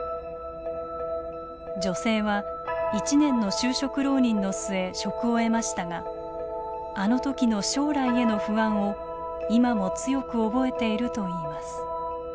女性は１年の就職浪人の末職を得ましたがあのときの将来への不安を今も強く覚えているといいます。